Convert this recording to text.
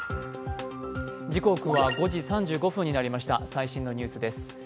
最新のニュースです。